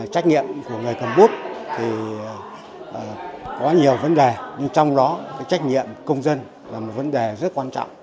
trách nhiệm của người cầm bút thì có nhiều vấn đề nhưng trong đó trách nhiệm công dân là một vấn đề rất quan trọng